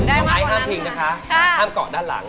อายห้ามทิ้งนะคะห้ามเกาะด้านหลัง